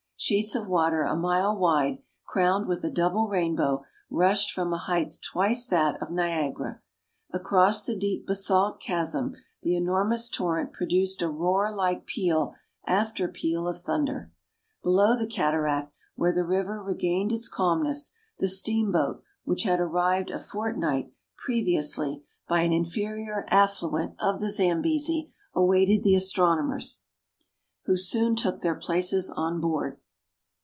Sheets of water a mile wide, crowned with a double rainbow, rushed from a height twice that of Niagara. Across the deep basalt chasm the enormous torrent produced a roar like peal after peal of thunder. Below the cataract, where the river regained its calmness, the steamboat, which had arrived a fortnight previously by 230 MERIDIANA; THE ADVENTURES OF an inferior affluent of the Zambesi, awaited the astronomers, who soon took their places on board.